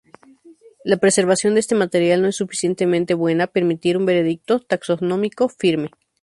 La preservación de este material no es suficientemente buena permitir un veredicto taxonómico firme.